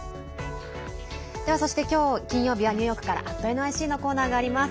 そして今日、金曜日はニューヨークから「＠ｎｙｃ」のコーナーがあります。